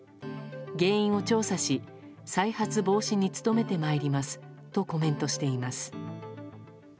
原因を調査し再発防止に努めてまいりますとコメントしています。